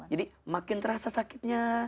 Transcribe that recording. jadi makin terasa sakitnya